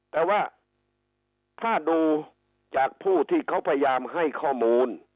แต่ว่าถ้าดูจากผู้ที่เขาพยายามให้ข้อมูล